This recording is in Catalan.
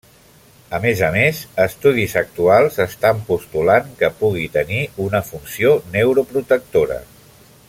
A més a més, estudis actuals estan postulant que pugui tenir una funció neuroprotectora.